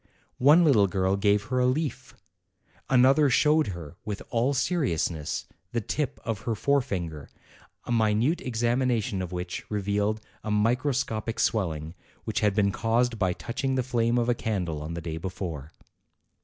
One little girl gave her a leaf; another showed her, with all seriousness, the tip of her fore finger, a minute examination of which revealed a mi croscopic swelling, which had been caused by touch ing the flame of a candle on the day before.